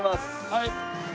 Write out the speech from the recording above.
はい。